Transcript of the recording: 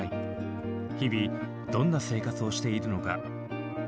日々どんな生活をしているのか？